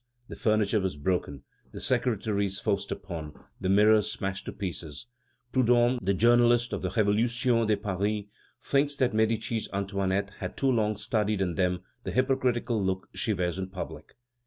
The furniture was broken, the secretaries forced open, the mirrors smashed to pieces. Prudhomme, the journalist of the Révolutions de Paris, thinks that "Medicis Antoinette has too long studied in them the hypocritical look she wears in public."